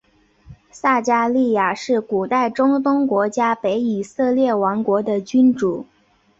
撒迦利雅是古代中东国家北以色列王国的君主。